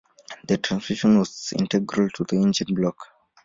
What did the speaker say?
The transmission was integral to the engine block.